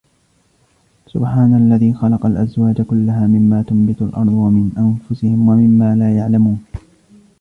سبحان الذي خلق الأزواج كلها مما تنبت الأرض ومن أنفسهم ومما لا يعلمون